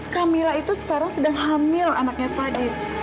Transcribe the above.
kamila itu sekarang sedang hamil anaknya fadil